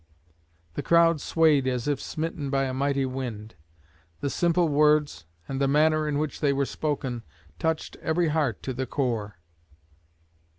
The crowd swayed as if smitten by a mighty wind. The simple words, and the manner in which they were spoken, touched every heart to the core.